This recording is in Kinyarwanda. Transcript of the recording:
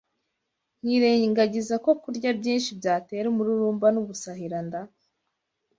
nkirengagiza ko kurya byinshi byantera umururumba n’ubusahiranda?